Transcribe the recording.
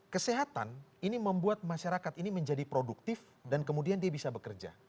kesehatan ini membuat masyarakat ini menjadi produktif dan kemudian dia bisa bekerja